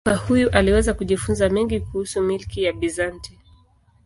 Kutoka huyu aliweza kujifunza mengi kuhusu milki ya Bizanti.